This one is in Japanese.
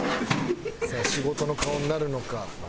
さあ仕事の顔になるのか？